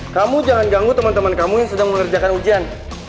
kamu jangan ganggu teman teman kamu yang sedang mengerjakan ujian